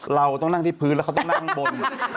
เราต้องนั่งที่พื้นแล้วเขาต้องนั่งข้างบน